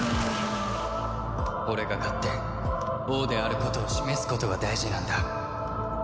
俺が勝って王であることを示すことが大事なんだ。